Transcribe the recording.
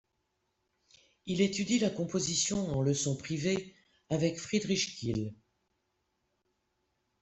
Il étudie la composition en leçons privées avec Friedrich Kiel.